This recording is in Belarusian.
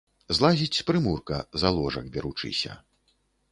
Злазіць з прымурка, за ложак беручыся.